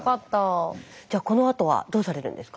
じゃあこのあとはどうされるんですか？